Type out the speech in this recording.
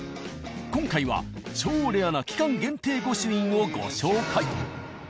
今回は超レアな期間限定御朱印をご紹介。